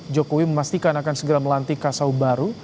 jokowi memastikan akan segera melantik kasau baru